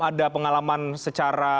ada pengalaman secara